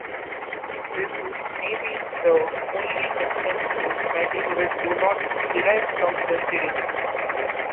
This is maybe the only section whose materials do not derive from the series.